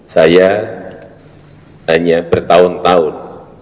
saya hanya bertahun tahun